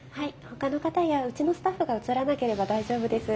ほかの方やうちのスタッフが写らなければ大丈夫です。